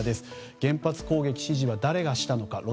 原発攻撃支持は誰がしたのか。